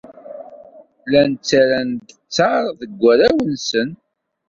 Llan ttarran-d ttaṛ deg warraw-nsen.